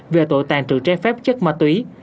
về tội tàn trự trái phép chất ma túy